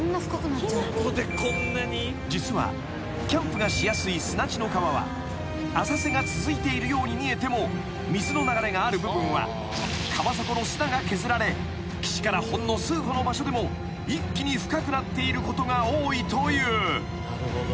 ［実はキャンプがしやすい砂地の川は浅瀬が続いているように見えても水の流れがある部分は川底の砂が削られ岸からほんの数歩の場所でも一気に深くなっていることが多いという］